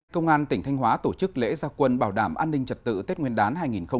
công an tỉnh thanh hóa tổ chức lễ gia quân bảo đảm an ninh trật tự tết nguyên đán hai nghìn hai mươi